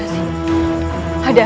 kanda pun tidak tahu dina